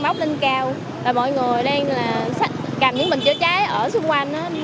mọi người đang bóc lên cao và mọi người đang cầm những bình chữa cháy ở xung quanh